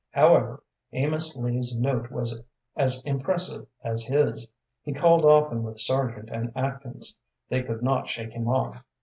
However, Amos Lee's note was as impressive as his. He called often with Sargent and Atkins. They could not shake him off.